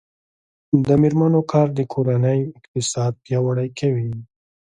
د میرمنو کار د کورنۍ اقتصاد پیاوړی کوي.